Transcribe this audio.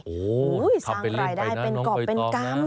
โอ้โหสร้างรายได้เป็นกรอบเป็นกรรม